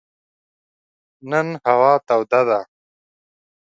نن هوا توده ده.